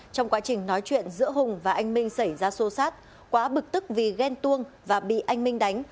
trong quá trình nói chuyện giữa hùng và anh minh xảy ra xô xát quá bực tức vì ghen tuông và bị anh minh đánh